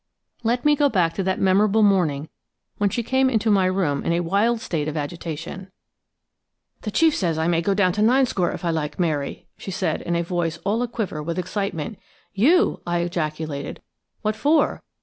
Let me go back to that memorable morning when she came into my room in a wild state of agitation. "The chief says I may go down to Ninescore if I like, Mary," she said in a voice all a quiver with excitement. "You!" I ejaculated. "What for?"